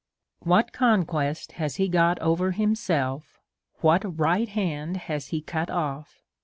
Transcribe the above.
What conquest has he got over himself? what right hand has he cut off?